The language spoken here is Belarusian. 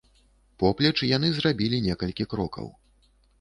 Поплеч яны зрабілі некалькі крокаў.